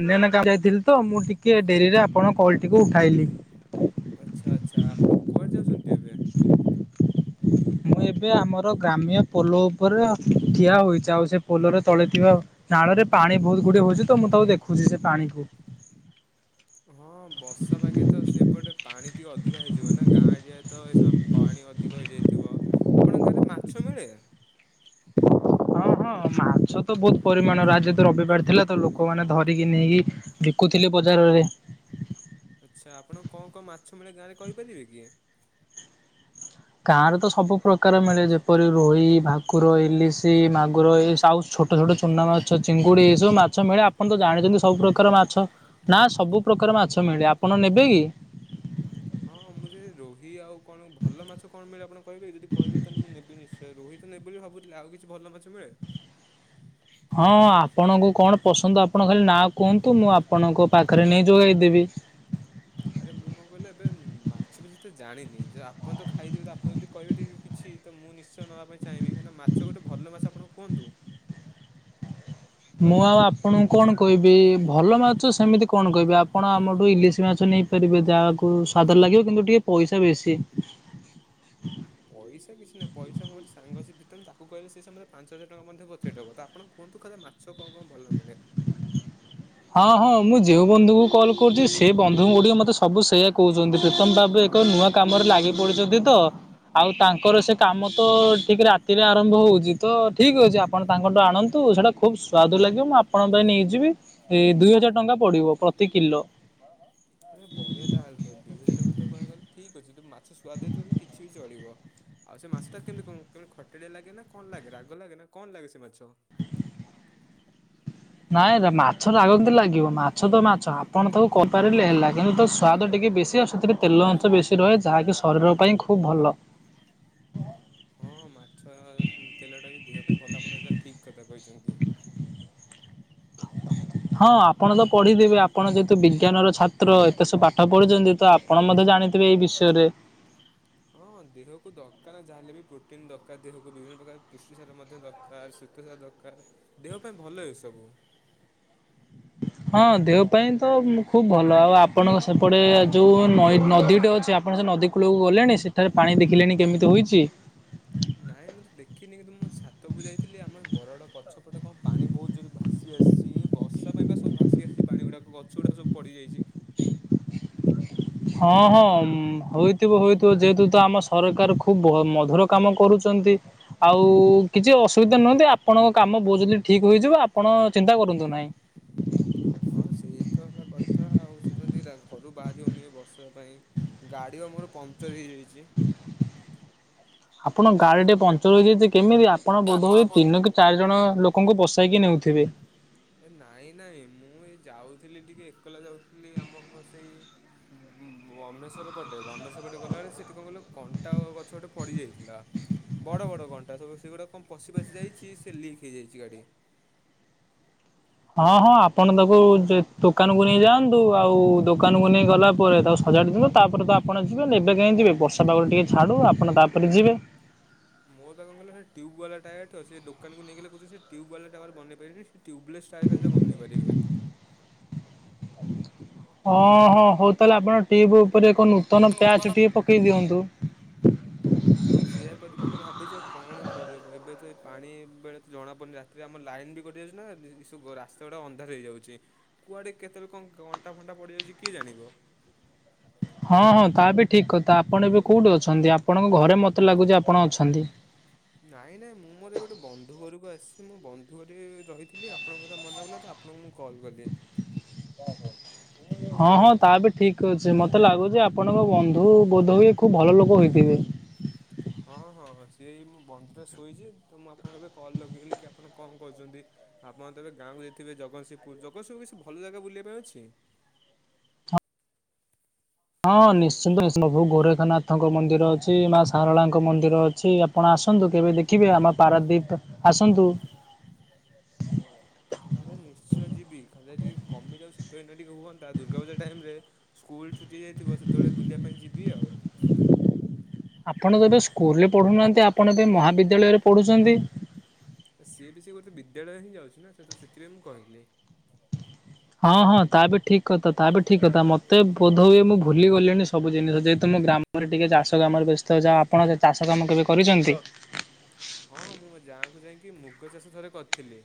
ଅନ୍ୟା କାମ ଯାଇଥିଲି ତ ମୁଁ ଟିକେ ଡ଼େରିରେ ଆପଣ କଲଟିକୁ ଉଠାଇଲି। ଆଚ୍ଛା ଆଚ୍ଛା ଆପଣ କୁଆଡ଼େ ଯାଉଛନ୍ତି ଏବେ? ମୁଁ ଏବେ ଆମର ଗ୍ରାମ୍ୟ ପୋଲ ଉପରେ ଠିଆ ହୋଇଛି ଆଉ ସେ ପୋଲର ତଳେ ଥିବା ନାଳ ରେ ପାଣି ବହୁତ ଗୁଡ଼ିଏ ହଉଛି ତ ମୁଁ ତାକୁ ଦେଖୁଛି ସେ ପାଣିକୁ। ହଁ ବର୍ଷା ପାଗେ ତ ସେପଟେ ପାଣି ଟିକେ ଅଧିକା ହେଇଯିବ ନା ଗାଁ ଏରିଆ ତ ଏ ସମ୍ ପାଣି ଅଧିକ ହେଇଯାଇଥିବ ଆପଣଙ୍କ ଗାଁରେ ମାଛ ମିଳେ? ହଁ ହଁ ମାଛ ତ ବୋହୁତ ପରିମାଣ ଆଜି ତ ରବିବାର ଥିଲା ତ ଲୋକମାନେ ଧରିକି ନେଇକି ବିକୁଥିଲେ ବଜାରରେ। ଆଚ୍ଛା ଆପଣ କଁ କଁ ମାଛ ମିଳେ ଗାଁରେ କହିପାରିବେ କି? ଗାଁ ରେ ତ ସବୁ ପ୍ରକାର ମିଳେ ଯେପରି ରୋହି, ଭାକୁର, ଇଲିଶି, ମାଗୁର ଏ ସାଉ ଛୋ ଛୋଟ ଛୋଟ ଚୁନା ମାଛ ଚିଙ୍ଗୁଡି ଏଇ ସବୁ ମାଛ ମିଳେ ଆପଣ ତ ଜାଣିଛନ୍ତି ସବୁ ପ୍ରକାର ମାଛ। ନା ସବୁ ପ୍ରକାର ମାଛ ମିଳେ ଆପଣ ନେବେ କି? ହଁ ମୁଁ ସେ ରୋହି ଆଉ କଣ ଭଲ ମାଛ କଣ ମିଳେ ଆପଣ କହିବେ ଯଦି କହିବେ ତାହେନେ ମୁଁ ନେବି ନିଶ୍ଚ ଏ ରୁହି ତ ନେବି ବୋଲି ଭାବୁଥିଲି ଆଉ କିଛି ଭଲ ମାଛ ମିଳେ? ହଁ ଆପଣଙ୍କୁ କଣ ପସନ୍ଦ ଆପଣ ଖାଲି ନାଁ କୁହନ୍ତୁ ମୁଁ ଆପଣଙ୍କ ପାଖରେ ନେଇ ଯୋଗାଇଦେବି। ଆରେ ମୁଁ କଣ କହିଲ ଏବେ ମାଛ ବିଷୟ ଏତେ ଜାଣିନି ଯେ ଆପଣ ତ ଖାଇଥିବେ ତ ଆପଣ ଯଦି କହିବେ ତିକେ କିଛି ତ ମୁଁ ନିଶ୍ଚୟ ନବା ପାଇଁ ଚାହିଁବି କାହିଁକି ନା ମାଛ ଗୋଟେ ଭଲ ମାଛ ଆପଣ କୁହନ୍ତୁ। ମୁଁ ଆଉ ଆପଣଙ୍କୁ କଣ କହିବି ଭଲ ମାଛ ସେମିତି କଣ କହିବି ଆପଣ ଆମଠୁ ଇଲିଶି ମାଛ ନେଇ ପାରିବେ ଯାହାକୁ ସ୍ଵାଦ ଲାଗିବ କିନ୍ତୁ ଟିକେ ପଇସା ବେଶୀ। ପଇସା କିଛିନାହିଁ ପଇସା ମୁ ଗୋଟେ ସାଙ୍ଗ ଅଛି ବିତୁନ୍ ତାକୁ କହିଲେ ସେ ସମୟରେ ପାଞ୍ଚ ହଜାର ଟଙ୍କା ମଧ୍ୟ ପଠେଇ ଦବ ତ ଆପଣ କୁହନ୍ତୁ ଖାଲି ମା ଛ କଣ କଣ ଭଲ ମିଳେ? ହଁ ହଁ ମୁଁ ଯେଉଁ ବନ୍ଧୁଙ୍କୁ କଲ୍ କରୁଛି ସେ ବନ୍ଧୁ ଗୁଡ଼ିକ ମତେ ସବୁ ସେଇୟା କହୁଛନ୍ତି ପ୍ରୀତମ୍ ଭାବେ କ ନୂଆ କାମରେ ଲାଗି ପଡ଼ିଚନ୍ତି ତ। ଆଉ ତାଙ୍କର ସେ କାମ ତ ଠିକ୍ ରାତିରେ ଆରମ୍ଭ ହଉଛି ତ ଠିକ୍ ଅଛି ଆପଣ ତାଙ୍କଠୁ ଆଣନ୍ତୁ ସେଟା ଖୁବ ସ୍ଵାଦ ଲାଗିବ ମୁଁ ଆପଣଙ୍କ ପାଇଁ ନେଇଯିବି ଏ ଦୁଇ ହଜାର ଟଙ୍କା ପଡ଼ିବ ପ୍ରତି କିଲୋ। ବଢ଼ିଆ ତାହେଲେ ତ ଦୁଇ ହଜାର ଟଙ୍କା ତ କହିବାକୁ ଗଲେ ଠିକ୍ ଅଛି ତୁ ମାଛ ସ୍ବାଦ ହେଇଥିବ ମାନେ କିଛି ବି ଚଳିବ। ଆଉ ସେ ମାଛଟା କେମିତି କ କେମିତି ଖଟାଳିଆ ଲାଗେ ନା କଣ ଲାଗେ ରାଗ ଲାଗେ ନା କଣ ଲାଗେ ସେ ମାଛ? ନାଇଁ ଦେଖ ମାଛ ରାଗ କେମତି ଲାଗିବ ମାଛ ତ ମାଛ ଆପଣ ତାକୁ କରିପାରିଲେ ହେଲା କିନ୍ତୁ ତା ସୁଆଦ ଟିକେ ବେଶୀ ଆ ସେଥିରେ ତେଲ ଅଂଶ ବେଶୀ ରହେ ଯାହାକି ଶରୀର ପାଇଁ ଖୁବ୍ ଭଲ। ହଁ ମାଛ ତେଲଟା ବି ଦିହ ପାଇଁ ଭଲ ଆପଣ ଏଇଟା ଠିକ୍ କଥା କହିଛନ୍ତି। ହଁ ଆପଣ ତ ପଢ଼ିଥିବେ ଆପଣ ଯେହେତୁ ବିଜ୍ଞାନର ଛାତ୍ର ଏତେ ସବୁ ପାଠ ପଢ଼ିଛନ୍ତି ତ ଆ ଆପଣ ମଧ୍ୟ ଜାଣିଥିବେ ଏଇ ବିଷୟରେ। ହଁ ଦେହକୁ ଦରକାର ଯାହେଲେ ବି ପ୍ରୋଟିନ ଦରକାର ଦେହକୁ ବିଭିନ୍ନ ପ୍ରକାର ପୁଷ୍ଟି ସାର ମଧ୍ୟ ଦର କାର ଶ୍ୱେତସାର ଦକାର ଦେହ ପାଇଁ ଭଲ ଏ ସବୁ। ହଁ ଦେହ ପାଇଁ ତ ଖୁବ୍ ଭଲ ଆଉ ଆପଣଙ୍କ ସେପଟେ ଯୋଉ ନଈ ନଦୀଟେ ଅଛି ଆ ଆପଣ ସେ ନଦୀ କୂଳକୁ ଗଲେଣି ସେଠାରେ ପାଣି ଦେଖିଲେଣି କେମିତି ହୋଇଛି‌? ନାଇଁ ମୁଁ ତ ଦେଖିନି କିନ୍ତୁ ମୋ ଛାତକୁ ଯାଇଥିଲି ଆମ ଏ ବରଗଡ଼ ପଛପଟେ କଣ ପାଣି ବହୁତ ଜୋରେ ଭା ସିଏ ସିଏ ବର୍ଷା ପାଇଁ ବା ସବୁ ଭାସି ଆସିଛି ପାଣି ଗୁଡ଼ାକ ଗଛ ଗୁଡ଼ାକ ସବୁ ପଡ଼ିଯାଇଛି। ହଁ ହଁ ଉମ୍ ହୋଇଥିବ ହୋଇଥିବ ଯେହେତୁ ତ ଆମ ସରକାର ଖୁବ ଭ ମଧୁର କାମ କରୁଚନ୍ତି। ଆଉ କିଛି ଅସୁବିଧା ନୁହନ୍ତି ଆପଣଙ୍କ କାମ ବହୁତ ଜଲଦି ଠିକ୍ ହେଇଯିବ ଆପଣ ଚିନ୍ତା କରନ୍ତୁ ନାହିଁ। ହଁ ସେଇ ତ ହେଲା କଥା ଆଉ ସେଥିପାଇଁ ଟିକେ ରା ଘରୁ ବାହାରି ହଉନି ଏଇ ବର୍ଷା ପାଇଁ। ଗାଡ଼ି ବା ମୋର ପଙ୍ଚର୍ ହେଇଯାଇଚି। ଆପଣଙ୍କ ଗାଡ଼ି ଟିଏ ପଙ୍କ୍ଚର ହେଇଯାଇଛି କେମିତି ଆପଣ ବୋଧ ହୁଏ ତିନି କି ଚାରି ଜଣ ଲୋକଙ୍କୁ ବସେଇକି ନେଉଥିବେ। ଏ ନାଇଁ ନାଇଁ ମୁଁ ଏ ଯାଉଥିଲି ଟିକେ ଏକଲା ଯାଉଥିଲି ଆମ ସେଇ ବମେଶ୍ଵର ପଟେ ବମେଶ୍ଵ ପଟେ ଗଲାବେଳେ ସେଠି କଣ କହିଲ କଣ୍ଟା ଗଛ ଗୋଟେ ପଡିଯାଇଥିଲା। ବଡ଼ ବଡ଼ କଣ୍ଟା ସବୁ ସେଗୁଡ଼ା କଣ ପଶି ପାଶି ଯାଇଚି ସେ ଲିକ୍ ହେଇଯାଇଚି ଗାଡ଼ି। ହଁ ହଁ ଆପଣ ତାକୁ ଦୋକାନକୁ ନେଇ ଯାଆନ୍ତୁ। ଆଉ ଦୋକାନକୁ ନେଇ ଗଲା ପରେ ତାକୁ ସଜାଡ଼ିଥିବ ତାପରେ ତ ଆପଣ ଯିବେ ଏବେ କାଇଁ ଯିବେ ବର୍ଷା ପାଗ ଟିକେ ଛାଡ଼ୁ ଆପଣ ତାପରେ ଯିବେ। ମୋର ବା କଣ କହିଲ ସେ ଟ୍ୟୁବ୍ ବାଲା ଟାୟାର ତ ସେ ଦୋକାନକୁ ନେଇଗଲେ କହୁଛନ୍ତି ସେ ଟ୍ୟୁବ୍ ବାଲା ଟାୟାର ବନେଇ ପାରିବେନି। ସେ ଟ୍ୟୁବଲେସ୍ ଟାୟାର ଖାଲି ଯାହା ବନେଇ ପାରିବେ। ହଁ ହଁ ହଉ ତାହେଲେ ଆପଣ ଟ୍ୟୁବ୍ ଉପରେ ଏକ ନୂତନ ପ୍ୟାଚ୍ ଟିଏ ପକେଇ ଦିଅନ୍ତୁ। ହଁ ସେଇଆ କରିବି ବୋଲି ଭାବିଚି। ଆଉ କଣ ହିଁ କରିହବ। ଏବେ ତ ଏଇ ପାଣି ବେଳେ ତ ଜଣା ପଡୁନି। ରା ତିରେ ଆମର ଲାଇନ ବି କଟି ଯାଉଚି ନା ସବୁ ରାସ୍ତା ଗୁଡା ଅନ୍ଧାର ହେଇଯାଉଚି। କୁଆଡେ କେତେବେଳେ କଣ କଣ୍ଟା ଫଣ୍ଟା ପଡିଯାଉଚି କିଏ ଜାଣିବ। ହଁ ହଁ ତା ବି ଠିକ୍ କଥା। ଆପଣ ଏବେ କୋଉଠି ଅଛନ୍ତି? ଆପଣଙ୍କ ଘରେ ମତେ ଲାଗୁଚି ଆପଣ ଅଛନ୍ତି। ନାଇଁ ନାଇଁ ମୁଁ ମୋର ଏଇ ଗୋଟେ ବନ୍ଧୁ ଘରକୁ ଆସିଚି। ମୁଁ ବନ୍ଧୁ ଘରେ ରହିଥିଲି। ଆପଣଙ୍କ କଥା ମନେପଡିଲା ତ ଆପ ଆପଣଙ୍କୁ ମୁଁ କଲ୍ କଲି। ହଁ ହଁ ତା ବି ଠିକ୍ ଅଛି। ମତେ ଲାଗୁଚି ଆପଣଙ୍କ ବନ୍ଧୁ ବୋଧହୁଏ ଖୁବ୍ ଭଲ ଲୋକ ହୋଇଥିବେ। ହଁ ହଁଁ ସିଏ ମୁଁ ବନ୍ଧଟା ଶୋଇଛି ତ ମୁଁ ଆପଣଙ୍କୁ ଏବେ କଲ୍ ଲଗେଇଲି କି ଆପଣ କଣ କହୁଛନ୍ତି? ଆପଣ ତ ଏବେ ଗାଁକୁ ଯାଇଥିବେ ଜଗତସିଂହପୁର। ଜଗତସିଂହପୁର ରେ କିଛି ଭଲ ଜାଗା ବୁଲିବା ପାଇଁ ଅଛି? ହଁ ନିଶ୍ଚିନ୍ତ ନିଶ୍ଚନ୍ତ। ପ୍ରଭୁ ଗୋରେଖନାଥଙ୍କ ମନ୍ଦିର ଅଛି। ମା ସାରଳାଙ୍କ ମନ୍ଦିର ଅଛି। ଆପଣ ଆସନ୍ତୁ କେବେ ଦେଖିବେ, ଆମ ପାରାଦ୍ଵୀପ ଆସନ୍ତୁ। ଆରେ ନିଶ୍ଚୟ ଯିବି। ଖାଲି ଟିକେ କମି ଯାଉ ଶୀତ ଦିନ ଟିକେ ହୁଅନ୍ତା ଦୁର୍ଗାପୂଜା ଟାଇମ୍ ରେ ସ୍କୁଲ୍ ଛୁଟି ହେଇ ଯାଇଥିବ, ସେତେବେଳେ ବୁଲିବା ପାଇଁ ଯିବି ଆଉ। ଆପଣ ତ ଏବେ ସ୍କୁଲ ରେ ପଢ଼ୁନାହାଁନ୍ତି, ଆପଣ ଏବେ ମହାବିଦ୍ୟାଳୟରେ ପଢ଼ୁଛନ୍ତି। ସିଏ ବି ସି ଗୋଟେ ବିଦ୍ୟାଳୟ ହିଁ ଯାଉଚି ନା ସେ ସେଥିପାଇଁ ମୁଁ କହିଲି। ହଁ ହଁ। ତା ବି ଠିକ୍ କଥା ତା ବି ଠିକ୍ କଥା। ମତେ ବୋଧ ହୁଏ ମୁଁ ଭୁଲି ଗଲିଣି ସବୁ ଜିନିଷ। ଯେହେତୁ ମୁଁ ଗ୍ରାମ ଗ୍ରାମରେ ଟିକେ ଚାଷ କାମରେ ବ୍ୟସ୍ତ ଅଛି। ଆଉ ଆପଣ ସେ ଚାଷ କାମ କେବେ କରିଛନ୍ତି? ହଁ ମୁଁ ଗାଁ କୁ ଯାଇକି ମୁଗ ଚାଷ ଥରେ କରିଥିଲି।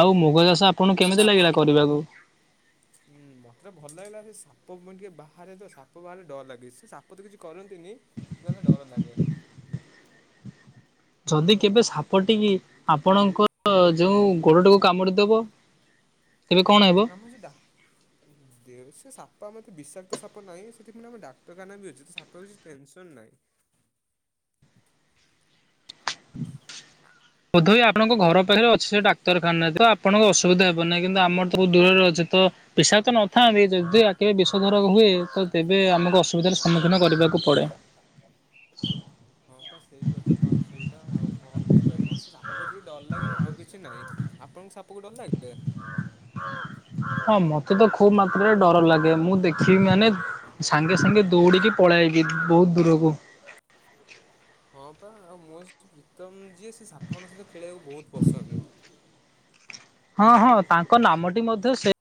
ଆଉ ମୁଗ ଚାଷ ଆପଣଙ୍କୁ ଚାଷ କେମିତି ଆପଣ ଲାଗିଲା କରିବାକୁ‌? ହୁଁ ମତେ ଭଲ ଲାଗିଲା। ସେ ସାପ ପୁଣି ଟିକେ ବାହାରେ ତ ସାପ ବାହାରିଲେ ଡର ଲାଗେ। ସେ ସା ପ ତ କିଛି କରନ୍ତିନି, କିନ୍ତୁ ମତେ ଡର ଲାଗେ। ଯଦି କେବେ ସାପ ଟି ଆପଣଙ୍କ ଯୋଉ ଗୋଡଟିକୁ କାମୁଡିଦବ? ତେବେ କଣ ହେ [unintelligible] ଦେ ସେ ସାପ ଆମେ ଏତେ ବିଷାକ୍ତ ସାପ ନାହିଁ, ସେଠି ମାନେ ଆମ ଡାକ୍ତରଖାନା ବି ଅଛି। ଯଦି ସା ତ କିଛି ଟେନସନ୍ ନାଇଁ। ବୋଧହୁଏ ଆପଣଙ୍କ ଘର ପାଖରେ ଅଛି ସେ ଡାକ୍ତରଖାନା, ତ ଆପଣଙ୍କ ଅସୁବିଧା ହେବ ନାହିଁ। କିନ୍ତୁ ଆମର ତ ଦୂରରେ ଅଛ। ତ ବିଷାକ୍ତ ନଥାନ୍ତି ଯଦି ଆ କେବେ ବିଷୋଧର ହୁଏ ତ ତେବେ ଆମକୁ ଅସୁବିଧାର ସମ୍ମୁଖୀନ କରିବାକୁ ପଡ଼େ। ହଁ ପା ସେଇ କଥା ପା ଅସୁବିଧା। ଆଉ କଣ କରି ପାରିବା। ମତେ ସେ ସା ପ ଟିକେ ଡର ଲାଗେ ନା ଆଉ କିଛି ନାହିଁ। ଆପଣଙ୍କୁ ସାପକୁ ଡର ଲାଗେ? ହଁ ମତେ ତ ଖୁବ୍ ମାତ୍ରାରେ ଡର ଲାଗେ। ମୁଁ ଦେଖିବି ମାନେ ସାଙ୍ଗେ ସାଙ୍ଗେ ଦୌଡିକି ପଳାଇବି ବହୁତ୍ ଦୂରକୁ। ହଁ ପା ଆଉ ମୋ ସେ ପ୍ରୀତମ ଯିଏ ସେ ସାପମାନଙ୍କ ସହିତ ଖେଳିବାକୁ ବହୁତ୍ ପସନ୍ଦ। ହଁ ହଁ ତାଙ୍କ ନାମଟି ମଧ୍ୟ ସେ।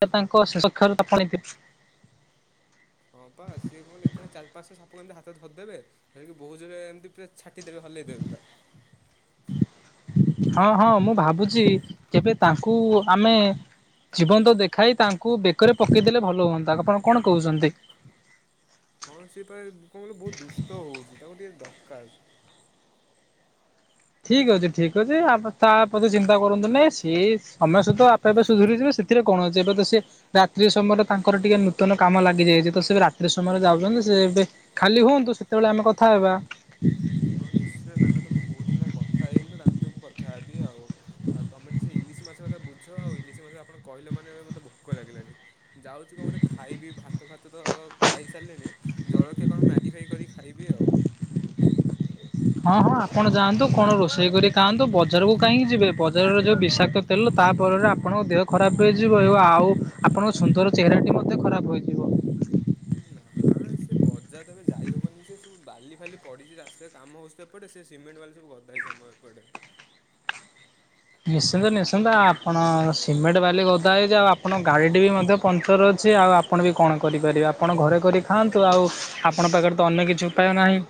[unintelligible] ହଁ ପା ସିଏ କଣ ଲେଖେ ଚାରି ପାଞ୍ଚ ଟା ସାପ କୁ ଏମିତି ହାତରେ ଧରିଦେବେ ଧରିକି ବହୁତ୍ ଜୋରେ ଏମିତି ପୁରା ଛାଟିଦେବେ ହଲେଇ ଦେବେ ପୁରା। ହଁ ହଁ ମୁଁ ଭାବୁଚି କେବେ ତାଙ୍କୁ ଆମେ ଜୀବନ୍ତ ଦେଖାଇ ତାଙ୍କୁ ବେକରେ ପକେଇଦେଲେ ଭଲ ହୁଅନ୍ତା ଆପଣ କଣ କହୁଛନ୍ତି? ହଁ ସେ ପା ଏ କଁ ଲ ବହୁତ ଦୁଷ୍ଟ ହଉଚି ତାକୁ ଟିକେ ଦକାର। ଠିକ୍ ଅଛି ଠିକ୍ ଅଛି ଆପ୍ ତାପଛେ ଚିନ୍ତା କରନ୍ତୁ ନେଇ ସିଏ ସମୟ ସ ତ ଆପେ ଆପେ ସୁଧୁରିଯିବେ ସେଥିରେ କଣ ଅଛି ଏବେ ତ ସେ ରାତ୍ରି ସମୟରେ ତାଙ୍କର ଟିକେ ନୂତନ କାମ ଲାଗି ଯାଇଚି ତ ସେ ଏବେ ରାତ୍ରି ସମୟରେ ଯାଉଚନ୍ତି ସେ ଏବେ ଖାଲି ହୁଅନ୍ତୁ ସେତୋଳେ ଆମେ କଥା ହେବା। ହୋଉ ନିଶ୍ଚୟ ତାଙ୍କ ତ ମୁଁ ବହୁତ ଦିନ ହେଲା କଥା ହେଇିନି ତ ତାଙ୍କ ସହିତ ମୁଁ କଥା ହେବି ଆଉ। ଆଉ ତମେ ଟି ସେ ଇଲିଶି ମାଛ କଥା ବୁଝ ଆଉ ଇଲିଶି ମାଛ ଆପଣ କହିଲେ ମାନେ ମତେ ଭୋକ ଲାଗିଲାଣି। ଯାଉଛୁ କଁ ଗୋଟେ ଖାଇବି ଭା ତ ଭାତ ତ ଖାଇସାରିଲିଣି ଜଳଖିଆ କଣ ମ୍ୟାଗି ଫ୍ୟାଗି କରିକି ଖାଇବି ଆଉ। ହଁ ହଁ ଆପଣ ଯାଆନ୍ତୁ କଣ ରୋଷେଇ କରି ଖାଆନ୍ତୁ। ବଜାରୁକୁ କାହିଁକି ଯିବେ ବ ଜାରରେ ଯଉ ବିଷାକ୍ତ ତେଲ ତା ଫଳରେ ଆପଣଙ୍କ ଦେହ ଖରାପ ହେଇଯିବ ଏବ ଆଉ ଆପଣ ସୁନ୍ଦର ଚେହେରାଟି ମଧ୍ୟ ଖରାପ ହୋଇଇଯିବ। ନାଁ ସେ ବଜାର ତ ଏବେ ଯାଇ ହବନି ସେ ସବୁ ବାଲି ଫାଲି ପଡ଼ିଚି ରାସ୍ତାରେ କାମ ହଉ ତ ଏପଟେ ସେ ସିମେଣ୍ଟ୍ ବାଲି ସବୁ ଗଦା ହେଇଚି ଆମ ଏପଟେ। ନିଶ୍ଚିନ୍ତ ନିଶ୍ଚିନ୍ତ ଆପଣ ସିମେଟ୍ ବାଲି ଗଦା ହେଇଯାଉ ଆପଣ ଗାଡ଼ିଟି ବି ମଧ୍ୟ ପଙ୍କଚର୍ ଅଛି ଆଉ ଆ ଆପଣବି କଣ କରିପାରିବେ ଆପଣ ଘରେ କରି ଖାଆନ୍ତୁ ଆଉ ଆପଣ ପାଖରେତ ଅନ୍ୟ କିଛି ଉପାୟ ନାହିଁ।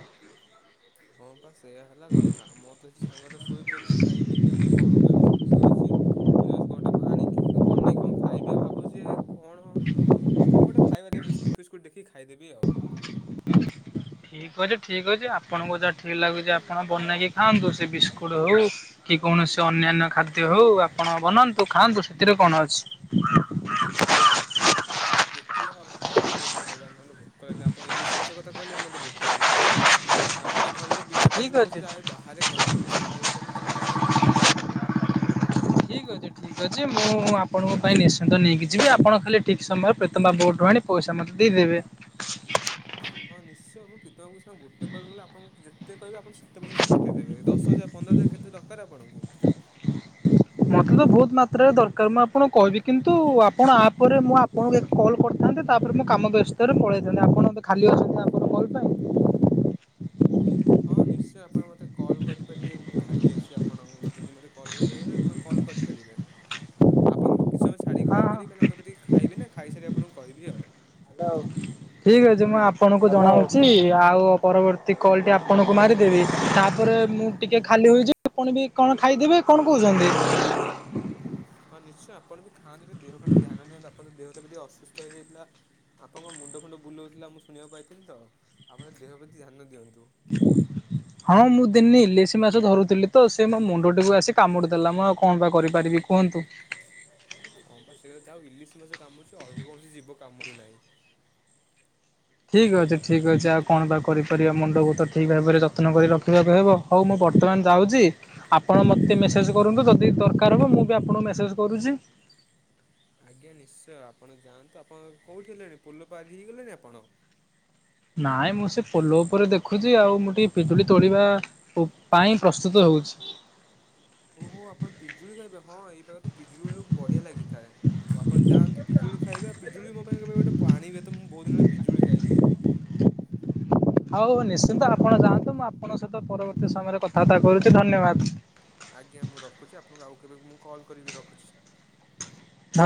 ହଁ ପା ସେୟା ହେଲା କଥା ମୁଁ ତ ସେ ସାଙ୍ଗଟା ଶୋଇପାରଚି ଖାଇ ପିଇକି ଆଉ ମୁଁ କଣ କରିବି ସେ ତ ଶୋଇଚି। ମୁଁ ଯାଉଚି କଣ୍ଟେ ଭାଣିକି କ୍ ବନେଇ କଁ ଖାଇବି ଆଉ ଭାବୁଚି ଏ କଣ କଁ ଗୋଟେ ଖାଇବା ଦେ ବିସ୍କୁଟ୍ ଫିସ୍କୁଟ୍ ଦେଖି ଖାଇଦେବି ଆଉ। ଠିକ୍ ଅଛି ଠିକ୍ ଅଛି ଆପଣଙ୍କୁ ଯାହା ଠିକ୍ ଲାଗୁଚି ଆପଣ ବନାଇକି ଖାଆନ୍ତୁ ସେ ବିସ୍କୁଟ୍ ହଉ କି କୌଣସି ଅନ୍ୟାନ୍ୟ ଖାଦ୍ୟ ହଉ ଆପଣ ବନାନ୍ତୁ ଖାଆନ୍ତୁ ସେଥିରେ କଣ ଅଛି? ହଁ ହଁ ଦେଖିଆ ଆଉ କଁ ଓଟେ ବନେଇ ଖାଇବା ନହେଲେ ଭୋକ ଲାଗିଲା ଆପ ଇଲିସି ମାଛ କଥା କହିଲେ ଏବେ ମତେ ଭୋକ ଲାଗିଲାଣି ଆମ ତ ଘରେ ତ ବିନା ପିଆଜ ଠିକ୍ ରସୁଣ ଅଛି ହଉଚି ଯାହା ଏଇ ବାହାରେ ଖାଇପାରିବି ସାଙ୍ଗ ଘରେ ମୁଁ ଯାହା ଖାଇପାରିବି। ଠିକ୍ ଅଛି ଠିକ୍ ଅଛି ମୁଁ ଆପଣଙ୍କ ପାଇଁ ନିଶ୍ଚିନ୍ତ ନେଇକି ଯିବି ଆପଣ ଖାଲି ଠିକ୍ ସମୟରେ ପ୍ରତମ୍ ବାବୁଙ୍କଠୁ ଆଣି ପଇସା ମତେ ଦେଇଦେବେ। ହଁ ନିଶ୍ଚୟ ମୁଁ ପ୍ରିତମ୍ ବାବୁଙ୍କ ସାଁ ଗୋଟେ କଲ୍ କଲେ ଆପଣଙ୍କୁ ଯେତେ କହିବେ ଆପଣ ତାକୁ ଯେ ସେ ପଠେଇଦେବେ ଦଶ ହଜାର ପନ୍ଦର ହଜାର କେତେ ଦକାର ଆପଣଙ୍କୁ? ମତେ ତ ବହୁତ ମାତ୍ରାରେ ଦରକାର ମୁଁ ଆପଣୁ କହିବି କିନ୍ତୁ ଆପଣ ଆ ପରେ ମୁଁ ଆ ପଣକୁ ଏ କଲ୍ କରିଥାନ୍ତେ ତାପରେ ମୁଁ କାମ ବ୍ୟସ୍ତରେ ପଳେଇଥାନ୍ତି ଆପଣ ଏବେ ଖାଲି ଅଛନ୍ତି ଆପଣ କଲ୍ ପାଇଁ। ହଁ ନିଶ୍ଚୟ ଆପଣ ମତେ କଲ୍ କରିପାରିବେ ମୁଁ ଖାଲି ଅଛି ଆପଣଙ୍କ ଯଦି ମେତେ କଲ୍ କରିତେ ହେନେ ଆପଣ କଲ୍ କରିପାରିବେ। ଆପଣଙ୍କୁ ମୁଁ କିଛି ସମୟ ଛାଡ଼ିକି ହଁ। କଲ୍ କରି କାହିଁକି ନାଁ ମୁଁ ଏବେ ଟିକେ ଖାଇବି ନା ଖାଇସାରି ଆପଣଙ୍କୁ କହିବି ଆଉ। ହାଲୋ। ଠିକ୍ ଅଛି ମୁଁ ଆପଣଙ୍କୁ ଜଣାଉଚି ଆଉ ପରବର୍ତ୍ତୀ କଲ୍ ଟି ଆପଣଙ୍କୁ ମାରିଦେବି ତା ପରେ ମୁଁ ଟିକେ ଖାଲି ହୋଇଯି ପଣ ବି କଣ ଖାଇଦେବେ କଣ କହୁଚନ୍ତି? ହଁ ନିଶ୍ଚୟ ଆପଣ ବି ଖାଆନ୍ତୁ ଯେ ଦେହ ପ୍ରତି ଧାନ ଦିଅନ୍ତୁ ଆପଣ ତ ଦେହ ତ ଏବେ ଟିକେ ଅସସ୍ଥ ହୋଇଯାଇଥିଲା। ଆପଣଙ୍କ ମୁଣ୍ଡ ଫୁଣ୍ଡ ବୁଲଉଥୁଲା ମୁଁ ଶୁଣିବାକୁ ପାଇଥିଲି ତ ଆପଣ ଦେହ ପ୍ରତି ଧ୍ୟାନ ଦିଅନ୍ତୁ। [inaudible] ହଁ ମୁଁ ଦିନେ ଇଲିଶି ମାଛ ଧରୁଥିଲି ତ ସେ ମୋ ମୁଣ୍ଡଟିକୁ ଆସି କାମୁଡ଼ି ଦେଲା ମୁଁ ଆଉ କଁ ବା କରିପାରିବି? କୁହନ୍ତୁ। ହଁ ପା ସେ ଆଉ ଯା ହଉ ଇଲିଶି ମାଛ କାମୁଡ଼ିଛି ଅଲଗା କୌଣସି ଯିବ କାମୁଡ଼ି ନାହିଁ। ଠିକ୍ ଅଛି ଠିକ୍ ଅଛି ଆଉ କଣ ବା କରିପାରିବା ମୁଣ୍ଡକୁ ତ ଠିକ୍ ଭାବରେ ଯତ୍ନ କରି ରଖିବାକୁ ହେବ। ହଉ ମୁଁ ବର୍ତ୍ତମାନ ଯାଉଚି ଆପଣ ମତେ ମେସେଜ୍ କରନ୍ତୁ ଯଦି ଦରକାର ହବ ମୁଁ ବି ଆପଣଙ୍କୁ ମେସେଜ୍ କରୁଚି। ଆଜ୍ଞା ନିଶ୍ଚୟ ଆପଣ ଯାଆନ୍ତୁ ଆପଣ କୋଉଠି ହେଲେଣି ପୋଲ ପାରି ହେଇଗଲେଣି ଆପଣ? ନାଇଁ ମୁଁ ସେ ପୋଲ ଉପରେ ଦେଖୁଛି ଆଉ ମୁଁ ଟିକେ ପିଯୁଳି ତୋଳିବା ଓ ପାଇଁ ପ୍ରସ୍ତୁତ ହଉଛି। ହୋ ହୋ ଆପଣ ପିଜୁଳି ଖାଇବେ ହଁ ଏଇ ପାଗ ରେ ତ ପିଜୁଳି ଗୁଡାକ ବଢିଆ ଲାଗିଥାଏ। ଆପଣ ଯାଆନ୍ତି ପିଜୁଳି ଖାଇବେ ଆଉ ପିଜୁଳି ମୋ ପାଇଁ କେବେ ଗୋଟେ ପାଣି ବେତ ମୁଁ ବହୁତ ଦିନ ହେଲା ପିଜୁଳି ଖାଇନି। ହଉ ନିଶ୍ଚିନ୍ତ ଆପଣ ଯାଆନ୍ତୁ ମୁଁ ଆପଣଙ୍କ ସହିତ ପରବର୍ତ୍ତୀ ସମୟରେ କଥାବାର୍ତା କରୁଚି ଧନ୍ୟବାଦ। ଆଜ୍ଞା ମୁଁ ରଖୁଛି ଆପଣଙ୍କୁ ଆଉ କେବେ ମୁଁ କଲ୍ କରିବି ରଖୁଛି।